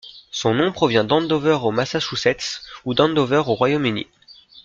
Son nom provient d'Andover au Massachusetts ou d'Andover au Royaume-Uni.